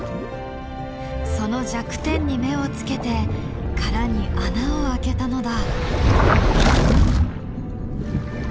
その弱点に目をつけて殻に穴を開けたのだ。